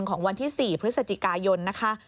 ของวันที่๔พฤศจิกายนนะคะ